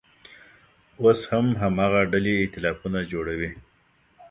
اوس هم هماغه ډلې اییتلافونه جوړوي.